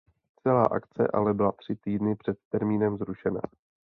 Celá akce ale byla tři týdny před termínem zrušena.